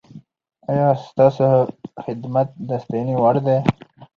ایا ستاسو خدمت د ستاینې وړ دی؟